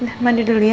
udah mandi dulu ya